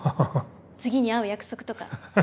次に会う約束とか？